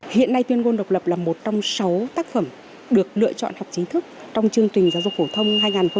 hiện nay tuyên ngôn độc lập là một trong sáu tác phẩm được lựa chọn học chính thức trong chương trình giáo dục phổ thông hai nghìn hai mươi